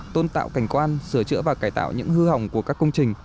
tôn tạo cảnh quan sửa chữa và cải tạo những hư hỏng của các công trình